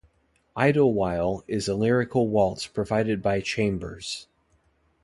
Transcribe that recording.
"Idle While" is a lyrical waltz provided by Chambers.